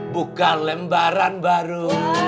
buka lembaran baru